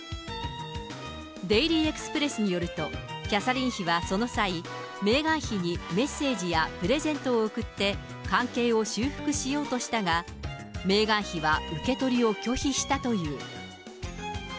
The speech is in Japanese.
デイリー・エクスプレスによると、その際、メーガン妃にメッセージやプレゼントを贈って、関係を修復しようとしたが、メーガン妃は受け取りを拒否したという。